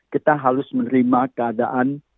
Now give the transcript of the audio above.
kita harus menerima keadaan